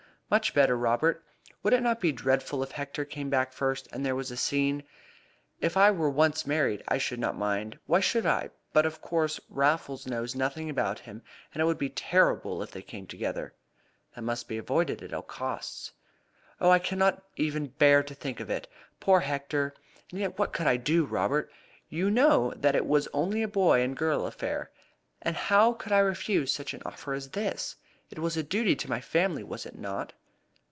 "Much better, Robert. Would it not be dreadful if Hector came back first and there was a scene? If I were once married I should not mind. Why should I? But of course Raffles knows nothing about him, and it would be terrible if they came together." "That must be avoided at any cost." "Oh, I cannot bear even to think of it. Poor Hector! And yet what could I do, Robert? You know that it was only a boy and girl affair. And how could I refuse such an offer as this? It was a duty to my family, was it not?"